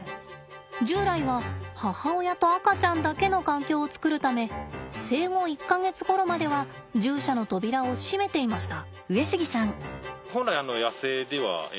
従来は母親と赤ちゃんだけの環境を作るため生後１か月ごろまでは獣舎の扉を閉めていました。